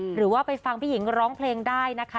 หรือว่าไปฟังพี่หญิงร้องเพลงได้นะคะ